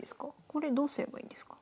これどうすればいいんですか？